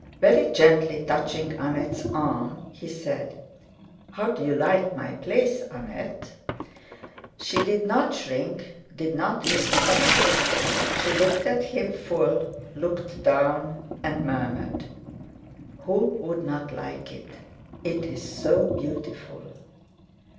Very gently touching Annette's arm, he said: "How do you like my place, Annette?" She did not shrink, did not respond; she looked at him full, looked down, and murmured: "Who would not like it? It is so beautiful!"